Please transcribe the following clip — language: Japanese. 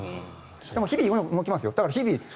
日々動きますよ。